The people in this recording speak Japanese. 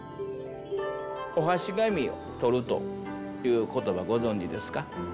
「お箸紙を取る」という言葉ご存じですか？